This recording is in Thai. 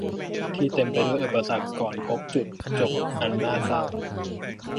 ที่เต็มไปด้วยอุปสรรคก่อนพบจุดจบอันน่าเศร้า